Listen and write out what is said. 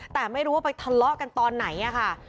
แต่ไม่รู้ว่าไปทะเลาะกันตอนไหนค่ะ